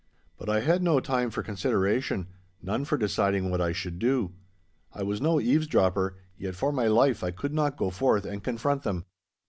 But I had no time for consideration—none for deciding what I should do. I was no eavesdropper, yet for my life I could not go forth and confront them.